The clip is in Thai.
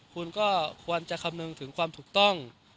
คุณก็ควรจะคำนึงถึงความถูกต้อง